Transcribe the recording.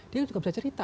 dia juga bisa cerita